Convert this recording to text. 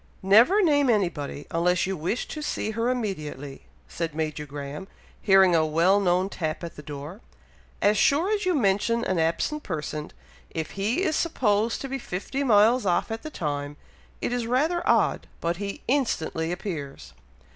"Never name anybody, unless you wish to see her immediately," said Major Graham, hearing a well known tap at the door. "As sure as you mention an absent person, if he is supposed to be fifty miles off at the time, it is rather odd, but he instantly appears!"